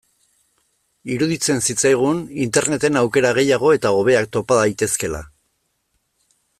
Iruditzen zitzaigun Interneten aukera gehiago eta hobeak topa daitezkeela.